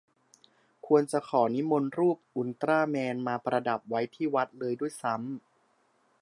ควรจะขอนิมนต์รูปอุลตร้าแมนมาประดับไว้ที่วัดเลยด้วยซ้ำ